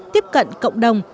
tiếp cận cộng đồng